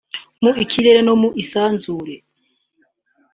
mu kirere no mu isanzure